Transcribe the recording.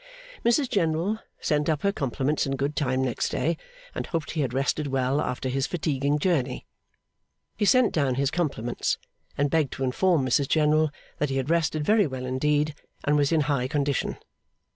Mrs General sent up her compliments in good time next day, and hoped he had rested well after this fatiguing journey. He sent down his compliments, and begged to inform Mrs General that he had rested very well indeed, and was in high condition.